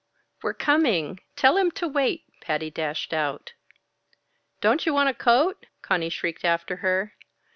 "We're coming! Tell him to wait." Patty dashed out. "Don't you want a coat?" Conny shrieked after her.